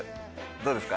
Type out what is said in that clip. どうですか？